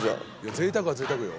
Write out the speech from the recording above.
ぜいたくはぜいたくよ。